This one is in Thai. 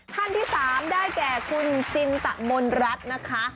ท่านที่๓ได้แก่คุณจินตะมนรัฐนะคะ